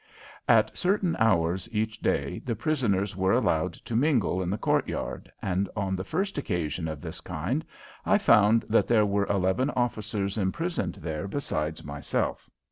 At certain hours each day the prisoners were allowed to mingle in the courtyard, and on the first occasion of this kind I found that there were eleven officers imprisoned there besides myself.